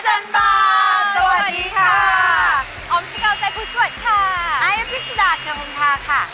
อ้าวกับพิศรีด้านค่ะผมท้าค่ะ